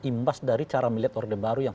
imbas dari cara melihat orde baru yang